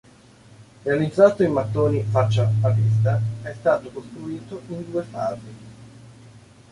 Realizzato in mattoni faccia a vista è stato costruito in due fasi.